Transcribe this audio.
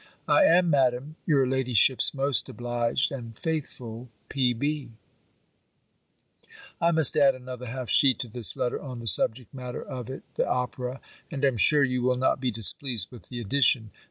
I am. Madam, your ladyship's most obliged and faithful P.B. I must add another half sheet to this letter on the subject matter of it, the opera; and am sure you will not be displeased with the addition.